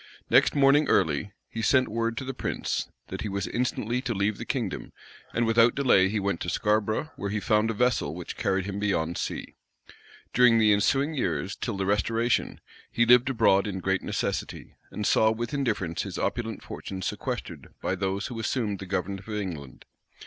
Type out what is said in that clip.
Next morning early, he sent word to the prince, that he was instantly to leave the kingdom; and without delay, he went to Scarborough, where he found a vessel, which carried him beyond sea. During the ensuing years, till the restoration, he lived abroad in great necessity, and saw with indifference his opulent fortune sequestered by those who assumed the government of England.